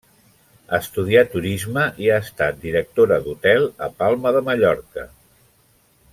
Estudià turisme i ha estat directora d'hotel a Palma de Mallorca.